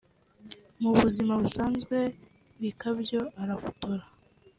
Mu buzima busanzwe Bikabyo arafotora